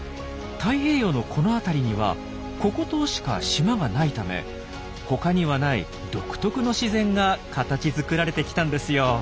太平洋のこの辺りにはココ島しか島がないため他にはない独特の自然が形づくられてきたんですよ。